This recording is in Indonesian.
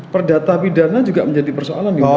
perdata pidana juga menjadi persoalan di ru ini ya